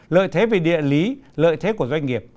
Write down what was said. lợi thế về địa lý lợi thế của doanh nghiệp